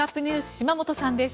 島本さんです。